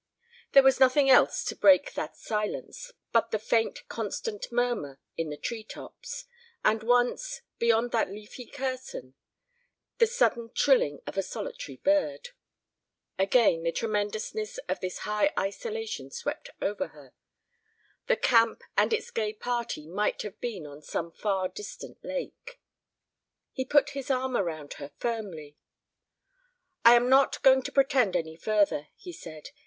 There was nothing else to break that silence but the faint constant murmur in the tree tops, and once, beyond that leafy curtain, the sudden trilling of a solitary bird. Again, the tremendousness of this high isolation swept over her. The camp and its gay party might have been on some far distant lake. He put his arm around her firmly. "I am not going to pretend any further," he said.